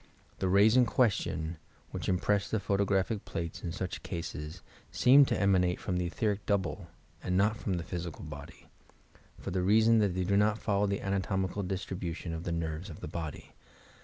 The rays in question, which impress the photographic plates in such cases, seem to emanate from the etheric double and not from the physical body, for the reason that they do not follow the anatomical dis tribution of the nerves of the body.